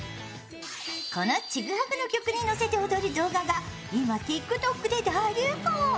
この「チグハグ」の曲に乗せて踊る動画が今、ＴｉｋＴｏｋで大流行。